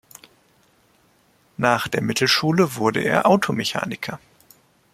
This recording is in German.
Nach der Mittelschule wurde er Automechaniker.